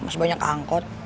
masih banyak angkot